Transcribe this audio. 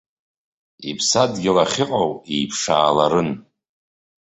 Иԥсадгьыл ахьыҟоу иԥшааларын.